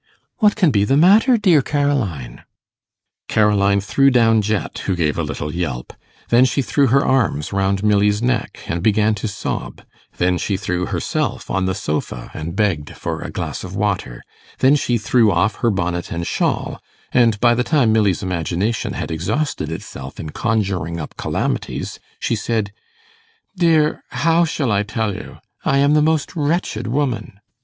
'What can be the matter, dear Caroline?' Caroline threw down Jet, who gave a little yelp; then she threw her arms round Milly's neck, and began to sob; then she threw herself on the sofa, and begged for a glass of water; then she threw off her bonnet and shawl; and by the time Milly's imagination had exhausted itself in conjuring up calamities, she said, 'Dear, how shall I tell you? I am the most wretched woman.